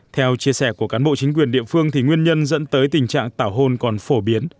theo chia sẻ của cán bộ chính quyền địa phương thì nguyên nhân dẫn tới tình trạng tảo hôn còn phổ biến